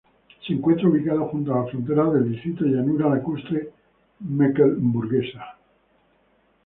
Se encuentra ubicado junto a la frontera del distrito Llanura Lacustre Mecklemburguesa.